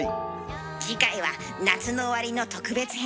次回は夏の終わりの特別編。